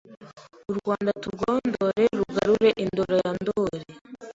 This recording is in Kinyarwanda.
U Rwanda turwondore Rugarure indoro ya Ndori